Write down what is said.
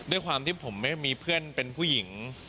ด้วยความที่ผมไม่มีเพื่อนเป็นผู้หญิง